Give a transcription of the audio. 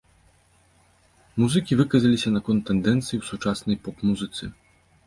Музыкі выказаліся наконт тэндэнцый у сучаснай поп-музыцы.